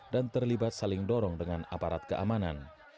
dan terlibat saling dorong dengan aparat keamanan